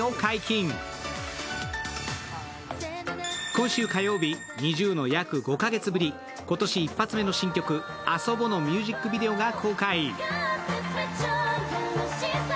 今週火曜日、ＮｉｚｉＵの約５カ月ぶり今年１発目の新曲「ＡＳＯＢＯ」のミュージックビデオが公開。